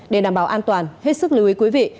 để đảm bảo an toàn hết sức lưu ý quý vị